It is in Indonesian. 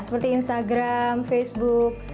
seperti instagram facebook